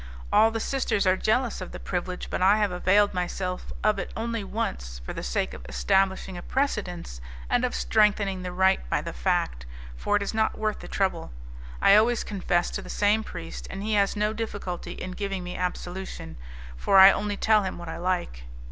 All the sisters are jealous of the privilege, but I have availed myself of it only once, for the sake of establishing a precedent and of strengthening the right by the fact, for it is not worth the trouble. I always confess to the same priest, and he has no difficulty in giving me absolution, for I only tell him what I like."